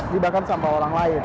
dibakar sampah orang lain